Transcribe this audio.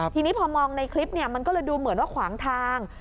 ทีนี้พอมองในคลิปมันก็เลยดูเหมือนว่าขวางทาง